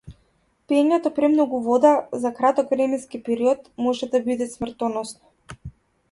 Пиењето премногу вода за краток временски период може да биде смртоносно.